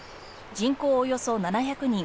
人口およそ７００人。